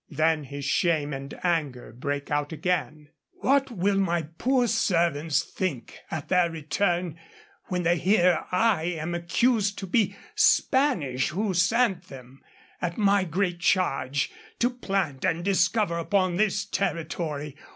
Then his shame and anger break out again: What will my poor servants think, at their return, when they hear I am accused to be Spanish who sent them, at my great charge, to plant and discover upon his territory!